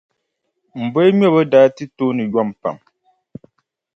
M boliŋmɛbo daa ti tooni yom pam.